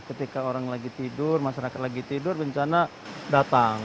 ketika orang lagi tidur masyarakat lagi tidur bencana datang